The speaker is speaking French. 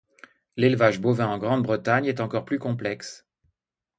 L'élevage bovin en Grande-Bretagne est encore plus complexe.